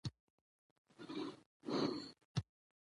کندز سیند د افغانستان د طبیعت برخه ده.